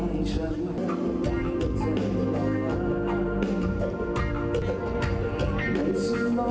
ไม่มีแต่เธอไม่มีแต่เธอ